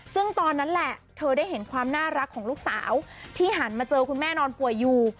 ซึ่งตอนนั้นแหละเธอได้เห็นความน่ารักของลูกสาวที่หันมาเจอคุณแม่นอนป่วยอยู่